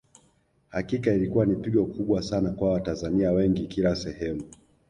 Hakika ilikuwa ni pigo kubwa Sana kwa Watanzania wengi kila sehemu